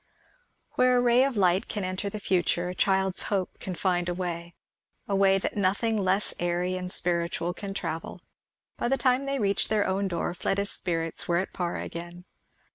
Where a ray of light can enter the future, a child's hope can find a way a way that nothing less airy and spiritual can travel. By the time they reached their own door Fleda's spirits were at par again.